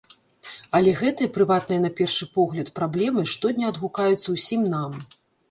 Але гэтыя, прыватныя на першы погляд, праблемы штодня адгукаюцца ўсім нам.